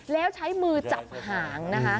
แล้วใช้มือจับหาง